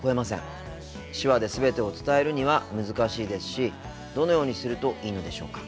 手話で全てを伝えるには難しいですしどのようにするといいのでしょうか。